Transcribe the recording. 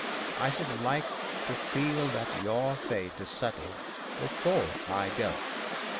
I should like to feel that your fate is settled before I go.